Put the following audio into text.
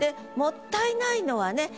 もったいないのはね